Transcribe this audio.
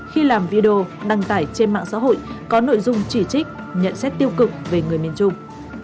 khi làm video đăng tải trên mạng xã hội có nội dung chỉ trích nhận xét tiêu cực về người miền trung